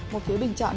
một phiếu bình chọn